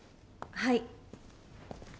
はい。